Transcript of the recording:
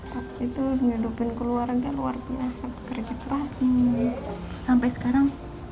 waktu itu menyadupin keluarga luar biasa pekerja keras